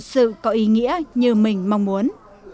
thật sự có ý nghĩa như mình mong muốn